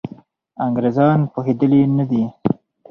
انګریزان پوهېدلي نه دي.